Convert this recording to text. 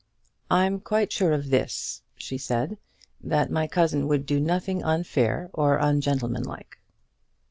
"I'm quite sure of this," she said, "that my cousin would do nothing unfair or ungentlemanlike."